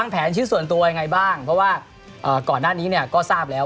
แผนชิ้นส่วนตัวยังไงบ้างเพราะว่าก่อนหน้านี้เนี่ยก็ทราบแล้ว